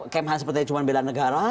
kemha sepertinya cuma bela negara